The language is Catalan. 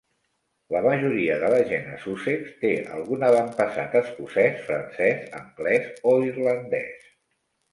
La majoria de la gent a Sussex té algun avantpassat escocès, francès, anglès o irlandès.